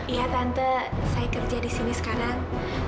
iya tante saya kerja disini sekarang